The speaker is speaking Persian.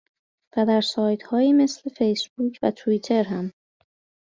و در سایت هایی مثل فیس بوک و تویتتر هم